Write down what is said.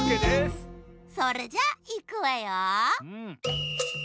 それじゃいくわよ。